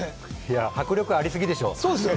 迫力ありすぎでしょ！